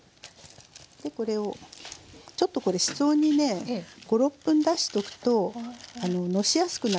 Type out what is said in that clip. これをちょっとこれ室温にね５６分出しておくとのしやすくなるんです。